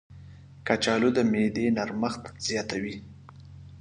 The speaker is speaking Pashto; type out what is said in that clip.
کچالو د معدې نرمښت زیاتوي.